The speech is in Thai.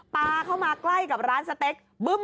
ปลาเข้ามาใกล้กับร้านสเต็กบึ้ม